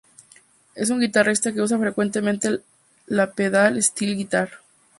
Es un guitarrista que usa frecuentemente la Pedal steel guitar.